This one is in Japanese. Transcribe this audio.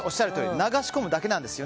流し込むだけです。